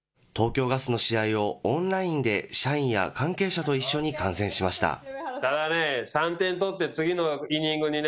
東京ガスの試合をオンラインで社員や関係者と一緒に観戦しました。